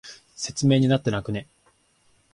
説明になってなくね？